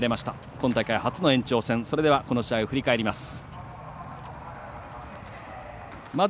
今大会、初の延長それではこの試合を振り返ります。